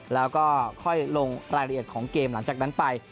แล้วก็ค่อยลงรายละเอียดของเกมหลังจากนั้นไป